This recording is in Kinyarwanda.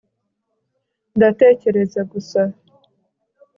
ndatekereza gusa